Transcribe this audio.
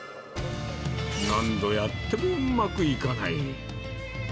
何度やってもうまくいかない。